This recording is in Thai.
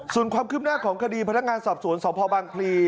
ส่วนความคืบหน้าของคดีพนักงานสอบสวนสพบังพลี